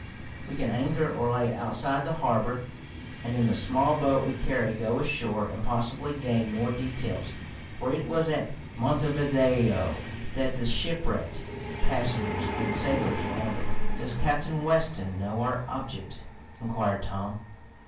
We can anchor or lay outside the harbor, and in the small boat we carry go ashore and possibly gain more details. For it was at Montevideo that the shipwrecked passengers and sailors landed." "Does Captain Weston know our object?" inquired Tom.